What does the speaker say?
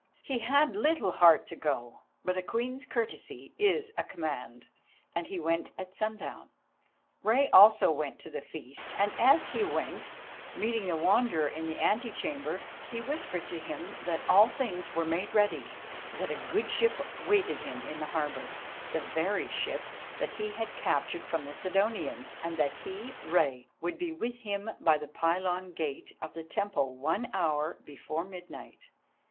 He had little heart to go, but a Queen's courtesy is a command, and he went at sundown. Rei also went to the feast, and as he went, meeting the Wanderer in the ante chamber, he whispered to him that all things were made ready, that a good ship waited him in the harbour, the very ship that he had captured from the Sidonians, and that he, Rei, would be with him by the pylon gate of the temple one hour before midnight.